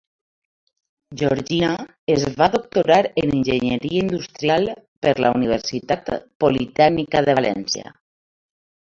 Georgina es va doctorar en Enginyeria Industrial per la Universitat Politècnica de València.